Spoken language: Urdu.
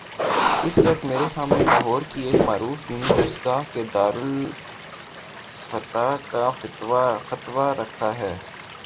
اس وقت میرے سامنے لاہور کی ایک معروف دینی درس گاہ کے دارالافتاء کا فتوی رکھا ہے۔